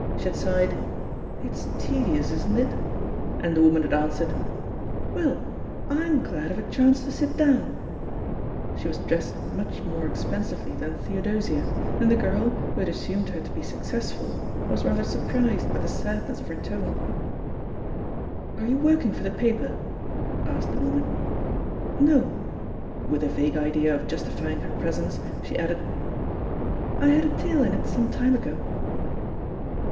She had sighed, "It's tedious, isn't it?" and the woman had answered, "Well, Fm glad of a chance to sit downl" She was dressed much more expensively than Theodosia, and the girl, who had assumed her to be success ful, was rather surprised by the sadness of her tone. THE POSITION OF PEGGY HARPER «01 t€ Are you working for the paper?'* asked the yeoman. No/' With a vague idea of justifying her presence, she added, ''I had a tale in it some time ago.